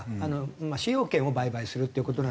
まあ使用権を売買するっていう事なので。